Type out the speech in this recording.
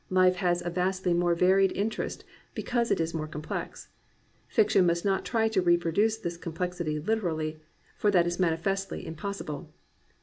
Life has a vastly more varied interest because it is more complex. Fic tion must not try to reproduce this complexity literally, for that is manifestly impossible.